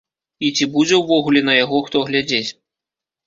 І ці будзе ўвогуле на яго хто глядзець?